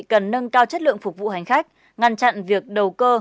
cần nâng cao chất lượng phục vụ hành khách ngăn chặn việc đầu cơ